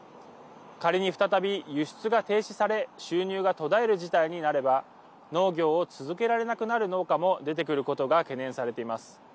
仮に再び輸出が停止され収入がとだえる事態になれば農業を続けられなくなる農家も出てくることが懸念されています。